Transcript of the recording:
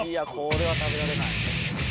これは食べられない。